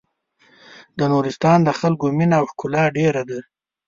د نورستان د خلکو مينه او ښکلا ډېره ده.